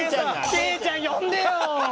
ケイちゃん呼んでよ！